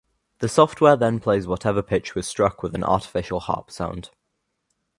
The software then plays whatever pitch was struck with an artificial harp sound.